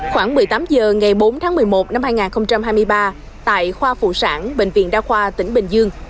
khoảng một mươi tám h ngày bốn tháng một mươi một năm hai nghìn hai mươi ba tại khoa phụ sản bệnh viện đa khoa tỉnh bình dương